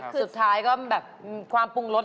สุดท้ายก็แบบความปรุงรส